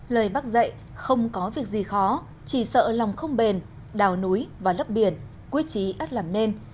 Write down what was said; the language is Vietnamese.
lời bác dạy không có việc gì khó chỉ sợ lòng không bền đào núi và lấp biển quyết trí át làm nên